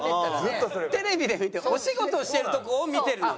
テレビで見てお仕事してるとこを見てるので。